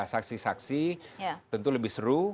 saksi saksi tentu lebih seru